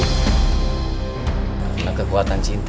karena kekuatan cinta